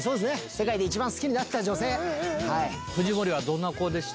世界で一番好きになった女性。